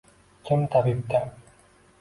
Kim tabibdan.